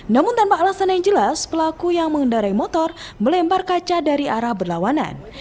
namun tanpa alasan yang jelas pelaku yang mengendarai motor melempar kaca dari arah berlawanan